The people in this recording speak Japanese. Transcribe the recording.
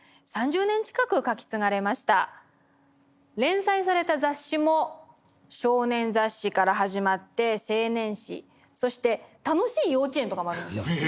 連載された雑誌も少年雑誌から始まって青年誌そして「たのしい幼稚園」とかもあるんですよ。